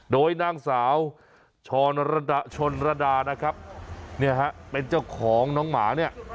โดยนางสาวชรชนระดานะครับเนี่ยฮะเป็นเจ้าของน้องหมาเนี่ย